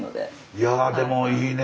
いやでもいいね。